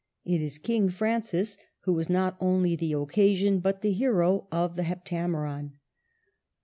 It is King Francis who is not only the occasion, but the hero of the *' Heptameron."